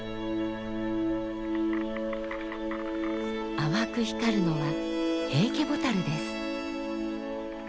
淡く光るのはヘイケボタルです。